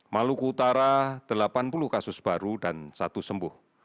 maluku utara delapan puluh kasus baru dan satu sembuh